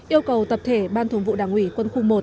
yêu cầu tập thể ban thường vụ đảng ủy quân khu một